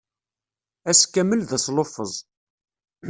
Ass kamel d asluffeẓ.